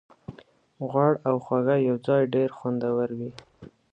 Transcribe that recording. غوړ او خوږه یوځای ډېر خوندور وي.